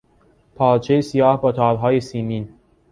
پارچهی سیاه با تارهای سیمین